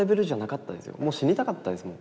もう死にたかったですもん。